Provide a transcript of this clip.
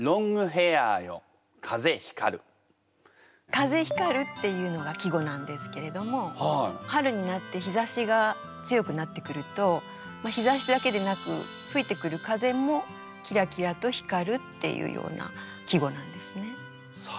「風光る」っていうのが季語なんですけれども春になって日ざしが強くなってくると日ざしだけでなく吹いてくる風もキラキラと光るっていうような季語なんですね。